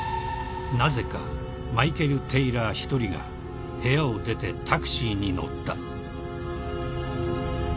なぜかマイケル・テイラー１人が部屋を出てタクシーに乗った］